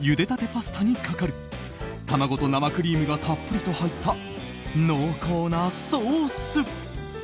パスタにかかる卵と生クリームがたっぷりと入った濃厚なソース。